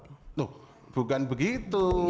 loh bukan begitu